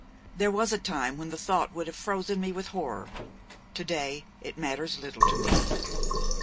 There was a time when the thought would have frozen me with horror; to day it matters little to me!"